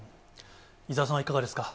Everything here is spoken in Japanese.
伊沢さんはいかがですか。